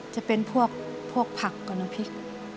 จะเป็นพวกผักกับน้ำพริก